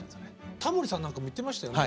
タモリさんなんかも言ってましたよね。